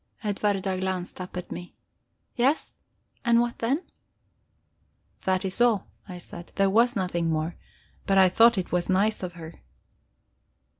Edwarda glanced up at me. "Yes? And what then?" "That is all," I said. "There was nothing more. But I thought it was nice of her."